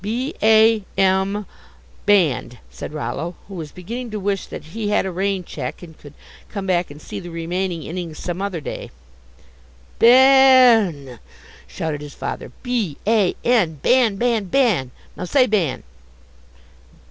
"B a m, band," said Rollo, who was beginning to wish that he had a rain check and could come back and see the remaining innings some other day. "Ba a a an!" shouted his father, "B a n, Ban, Ban, Ban! Now say Ban!"